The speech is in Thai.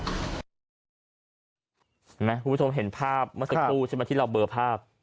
คุณผู้ชมเห็นภาพเมื่อสักครู่ใช่ไหมที่เราเบอร์ภาพ